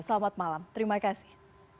selamat malam terima kasih